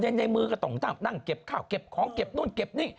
ด้านในมือสาธารณ์นั่งเก็บของเก็บเนื่อน